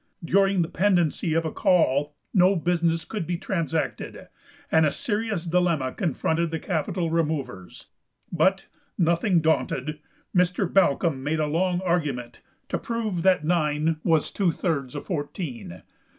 During the pendency of a call no business could be transacted, and a serious dilemma confronted the capital removers; but, nothing daunted, Mr. Balcombe made a long argument to prove that nine was two thirds of fourteen.